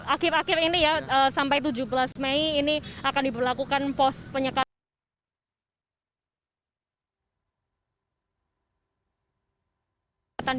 akhir akhir ini ya sampai tujuh belas mei ini akan diberlakukan pos penyekatan